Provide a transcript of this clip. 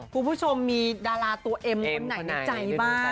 คุณผู้ชมมีดาราตัวเอ็มคนไหนในใจบ้าง